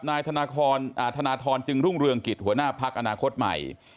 มาธนทณธรจึงรุ้งเรืองจริงเตรียมการหัวหน้าภักดิ์อนาคตใหม่